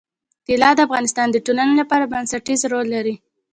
طلا د افغانستان د ټولنې لپاره بنسټيز رول لري.